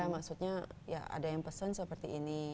maksudnya ya ada yang pesen seperti ini